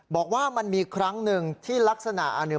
บอกว่ามันมีครั้งหนึ่งที่ลักษณะอันหนึ่ง